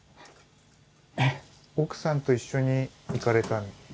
奥さんと一緒に行かれたんですか？